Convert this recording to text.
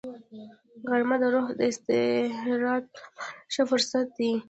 غرمه د روح د استراحت لپاره ښه فرصت دی